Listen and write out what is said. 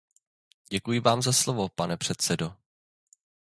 Děkuji vám za slovo, pane předsedo.